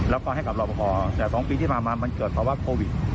แล้วก็ให้กับรอบพอแต่สองปีที่มามันเกิดเพราะว่าโควิด